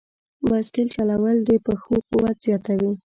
بایسکل چلول د پښو قوت زیاتوي.